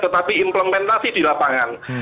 tetapi implementasi di lapangan